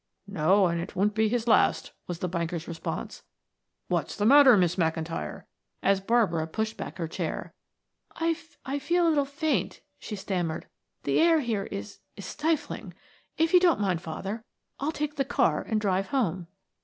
"No, and it won't be his last," was the banker's response. "What's the matter, Miss McIntyre?" as Barbara pushed back her chair. "I feel a little faint," she stammered. "The air here is is stifling. If you don't mind, father, I'll take the car and drive home."